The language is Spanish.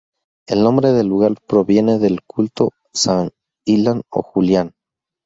El nombre del lugar proviene del culto a San Illán o Julián.